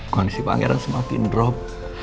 kondisi pangeran semakin drop